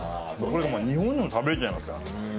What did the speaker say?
これがもう日本でも食べれちゃいますから。